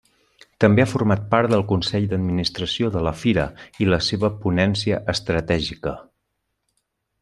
També ha format part del Consell d'Administració de la Fira i la seva Ponència Estratègica.